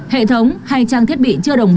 hệ thống hay trang thiết bị chưa đồng bộ